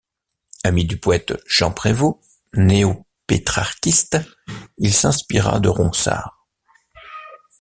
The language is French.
Ami du poète Jean Prévost, néo-pétrarquiste, il s'inspira de Ronsard.